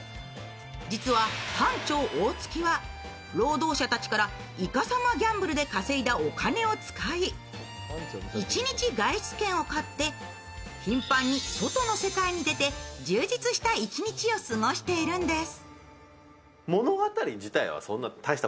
実はハンチョウ・大槻は労働者たちからいかさまギャンブルで稼いだお金を使い１日外出券を買って、頻繁に外に世界に出て充実した一日を過ごしているんです。